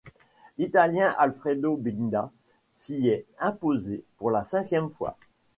L'Italien Alfredo Binda s'y est imposé pour la cinquième fois.